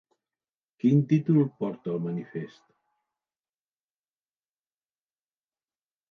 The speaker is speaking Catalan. Quin títol porta el manifest?